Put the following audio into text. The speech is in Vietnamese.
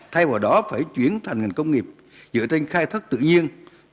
thay vào đó phải chuyển thành ngành công nghiệp dựa trên khai thác tự nhiên